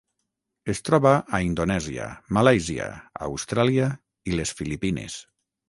Es troba a Indonèsia, Malàisia, Austràlia i les Filipines.